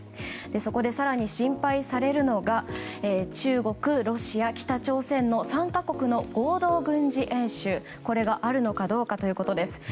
そこで更に心配されるのが中国、ロシア、北朝鮮の３か国の合同軍事演習があるのかどうかということです。